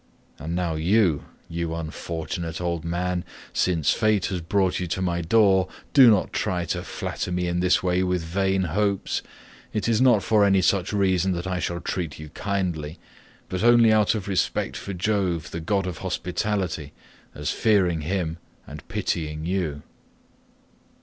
And now you, you unfortunate old man, since fate has brought you to my door, do not try to flatter me in this way with vain hopes. It is not for any such reason that I shall treat you kindly, but only out of respect for Jove the god of hospitality, as fearing him and pitying you."